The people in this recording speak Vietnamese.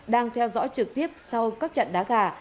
đang theo dõi trực tiếp sau các trận đá gà